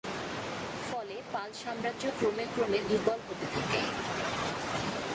ফলে পাল সাম্রাজ্য ক্রমে ক্রমে দুর্বল হতে থাকে।